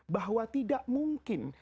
bahwa tidak mungkin